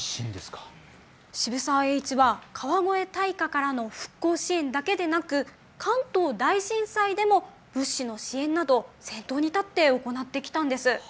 渋沢栄一は川越大火からの復興支援だけでなく関東大震災でも物資の支援など先頭に立って行ってきたんです。